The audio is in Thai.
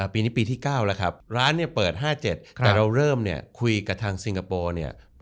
ปีนี้ปีที่๙แล้วครับร้านเนี่ยเปิด๕๗แต่เราเริ่มเนี่ยคุยกับทางซิงคโปร์เนี่ย